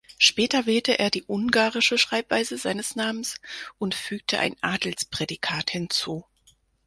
Später wählte er die ungarische Schreibweise seines Namens und fügte ein Adelsprädikat hinzu.